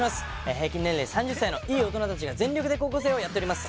平均年齢３０歳のいい大人たちが全力で高校生をやっております